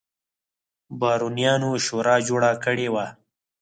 بارونیانو شورا جوړه کړې وه.